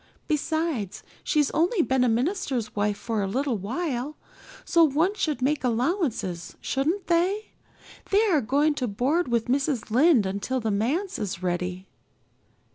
Besides, she's only been a minister's wife for a little while, so one should make allowances, shouldn't they? They are going to board with Mrs. Lynde until the manse is ready."